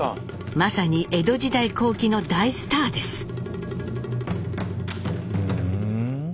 まさに江戸時代後期の大スターです。